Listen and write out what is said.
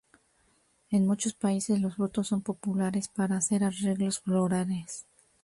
En muchos países los frutos son populares para hacer arreglos florales.